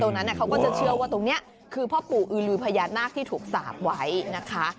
นั้นเขาก็จะเชื่อว่าตรงนี้คือพ่อปู่อือลือพญานาคที่ถูกสาบไว้นะคะ